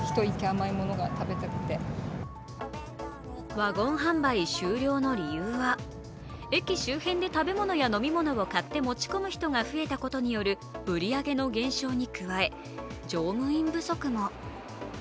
ワゴン販売終了の理由は駅周辺で食べ物や飲み物を買って持ち込む人が増えたことによる売り上げの減少に加え、乗務員不足も。